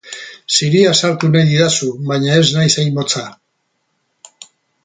Ziria sartu nahi didazu, baina ez naiz hain motza.